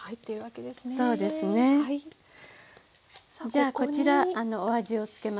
じゃあこちらお味をつけましょうか。